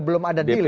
belum ada deal ya